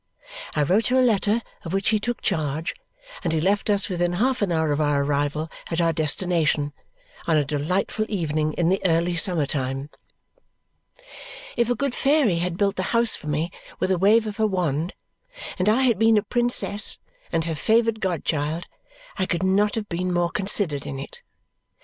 I wrote her a letter, of which he took charge, and he left us within half an hour of our arrival at our destination, on a delightful evening in the early summer time. If a good fairy had built the house for me with a wave of her wand, and I had been a princess and her favoured god child, I could not have been more considered in it.